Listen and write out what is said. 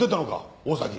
大崎。